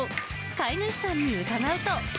飼い主さんに伺うと。